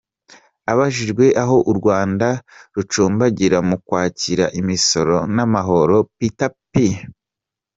Abajijwe aho u Rwanda rucumbagira mu kwakira imisoro n’amahoro, Peter P.